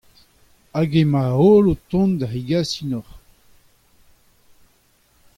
Ha hemañ all o tont da hegaziñ ac'hanoc'h.